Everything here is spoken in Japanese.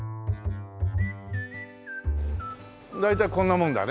大体こんなもんだね。